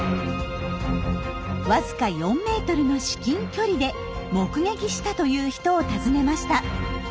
わずか４メートルの至近距離で目撃したという人を訪ねました。